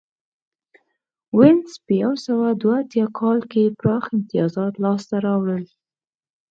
وینز په یو سوه دوه اتیا کال کې پراخ امتیازات لاسته راوړل